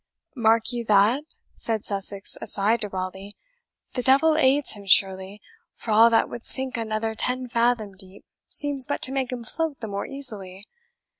"Mark you that?" said Sussex aside to Raleigh. "The devil aids him surely; for all that would sink another ten fathom deep seems but to make him float the more easily.